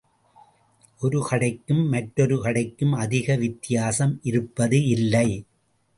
ஒரு கடைக்கும் மற்றொரு கடைக்கும் அதிக வித்தியாசம் இருப்பது இல்லை.